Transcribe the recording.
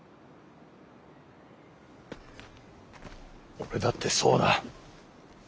俺だってそうだ。